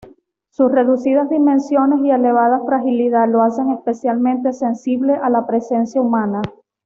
Sus reducidas dimensiones y elevada fragilidad lo hacen especialmente sensible a la presencia humana.